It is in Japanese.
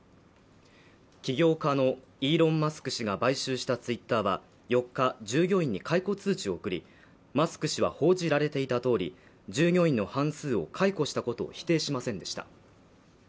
起業家のイーロン・マスク氏が買収したツイッターは４日従業員に解雇通知を送りマスク氏は報じられていたとおり従業員の半数を解雇したことを否定しませんでした